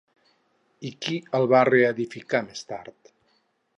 I qui el va reedificar més tard?